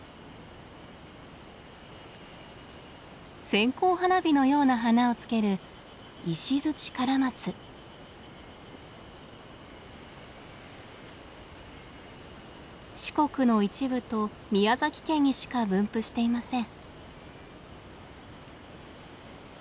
線香花火のような花をつける四国の一部と宮崎県にしか分布していません。